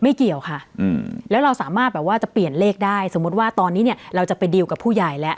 เกี่ยวค่ะแล้วเราสามารถแบบว่าจะเปลี่ยนเลขได้สมมุติว่าตอนนี้เนี่ยเราจะไปดีลกับผู้ใหญ่แล้ว